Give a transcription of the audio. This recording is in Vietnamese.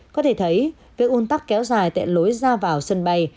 có thể thấy việc un tắc kéo dài tại lối ra vào sân bay